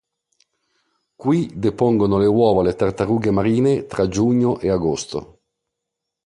Qui depongono le uova le tartarughe marine tra giugno e agosto.